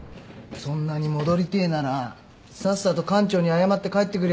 そんなに戻りてえならさっさと館長に謝って帰ってくりゃいいじゃねえか。